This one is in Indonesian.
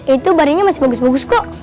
itu barangnya masih bagus bagus kok